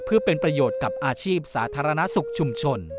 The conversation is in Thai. เพื่อเป็นประโยชน์กับอาชีพสาธารณสุขชุมชน